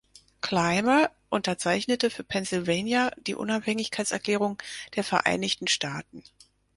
Clymer unterzeichnete für Pennsylvania die Unabhängigkeitserklärung der Vereinigten Staaten.